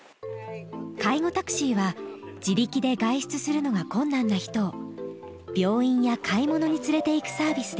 介護タクシーは自力で外出するのが困難な人を病院や買い物に連れていくサービスです。